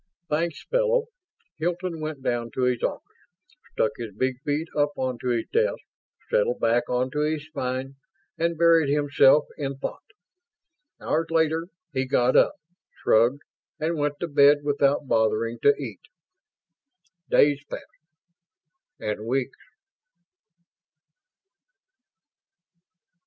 "Thanks, fellow." Hilton went down to his office, stuck his big feet up onto his desk, settled back onto his spine, and buried himself in thought. Hours later he got up, shrugged, and went to bed without bothering to eat. Days passed. And weeks.